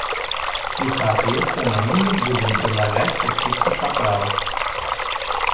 И соответственно мы не будем предлагать каких-то поправок.